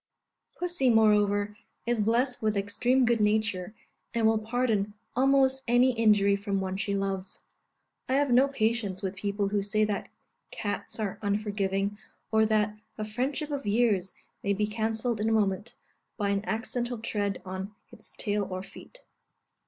Pussy, moreover, is blessed with extreme good nature, and will pardon almost any injury from one she loves. I have no patience with people who say that cats are unforgiving, or that "a friendship of years may be cancelled in a moment, by an accidental tread on its tail or feet."